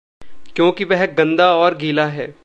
क्योंकि वह गंदा और गीला है।